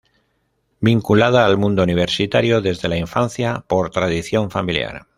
Vinculada al mundo universitario desde la infancia, por tradición familiar.